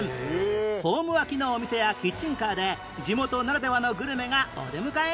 ホーム脇のお店やキッチンカーで地元ならではのグルメがお出迎え